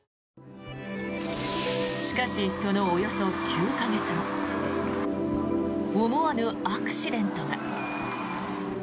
しかし、そのおよそ９か月後思わぬアクシデントが。